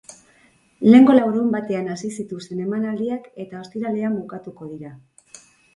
Lehengo larunbatean hasi zituzten emanaldiak eta ostiralean bukatuko dira.